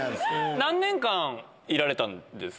何年間いられたんですか？